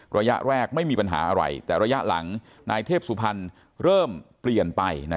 ระยะแรกไม่มีปัญหาอะไรแต่ระยะหลังนายเทพสุพรรณเริ่มเปลี่ยนไป